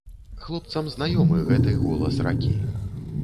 Хлопцам знаёмы гэты голас ракі.